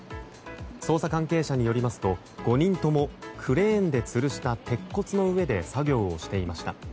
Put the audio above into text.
捜査関係者によりますと５人ともクレーンでつるした鉄骨の上で作業をしていました。